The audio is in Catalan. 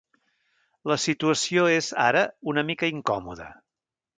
La situació és, ara, una mica incòmoda.